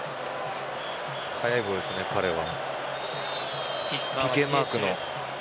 速いボールですね、彼は。